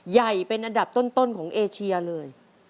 ใหญ่เป็นอันดับต้นของเอเชียเลย